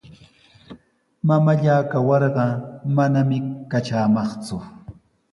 Mamallaa kawarqa manami katramaqku.